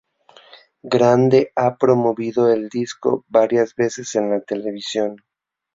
Grande ha promovido el disco varias veces en la televisión.